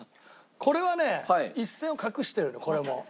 これはね一線を画してるねこれも。